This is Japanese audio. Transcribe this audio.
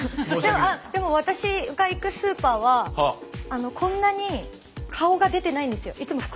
でも私が行くスーパーはこんなに顔が出てないんですよ。